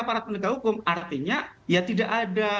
aparat penegak hukum artinya ya tidak ada